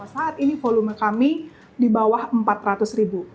saat ini volume kami di bawah empat ratus ribu